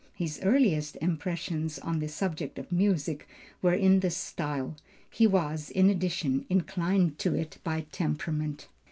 His earliest impressions on the subject of music were in this style. He was, in addition, inclined to it by temperament.